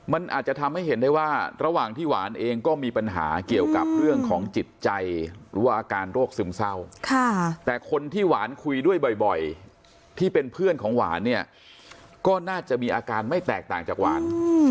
มันอาจจะทำให้เห็นได้ว่าระหว่างที่หวานเองก็มีปัญหาเกี่ยวกับเรื่องของจิตใจหรือว่าอาการโรคซึมเศร้าแต่คนที่หวานคุยด้วยบ่อยที่เป็นเพื่อนของหวานเนี่ยก็น่าจะมีอาการไม่แตกต่างจากหวาน